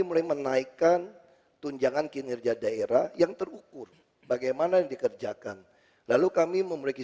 mulai menaikkan tunjangan kinerja daerah yang terukur bagaimana dikerjakan lalu kami memiliki